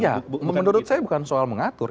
ya menurut saya bukan soal mengatur